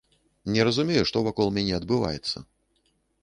Не разумею, што вакол мяне адбываецца.